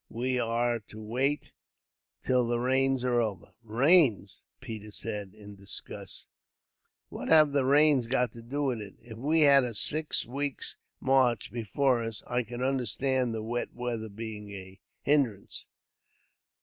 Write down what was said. "We are to wait till the rains are over." "Rains!" Peters said, in disgust; "what have the rains got to do with it? If we had a six weeks' march before us, I could understand the wet weather being a hindrance.